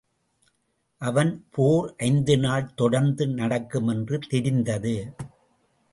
அவன் போர் ஐந்து நாள் தொடர்ந்து நடக்கும் என்று தெரிந்தது.